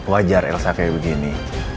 wajar elsa kayak begini